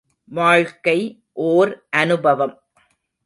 வாழ்க்கை ஓர் அநுபவம்.